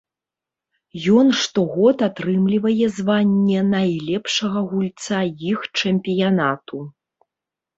Ён штогод атрымлівае званне найлепшага гульца іх чэмпіянату.